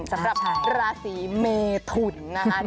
สำหรับราศีเมทุนนะครับ